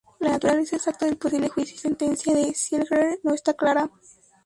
La naturaleza exacta del posible juicio y sentencia de Ziegler no está clara.